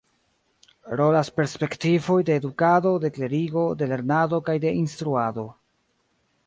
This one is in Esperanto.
Rolas perspektivoj de edukado, de klerigo, de lernado kaj de instruado.